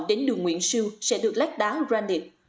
đến đường nguyễn sưu sẽ được lách đá granite